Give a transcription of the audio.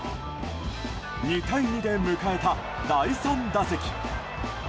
２対２で迎えた、第３打席。